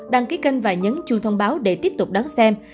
đăng ký kênh và nhấn chu thông báo để tiếp tục đón xem